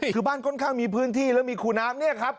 คือบ้านค่อนข้างมีพื้นที่แล้วมีคูน้ำเนี่ยครับ